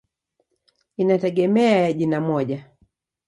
Inategemea ya jina moja.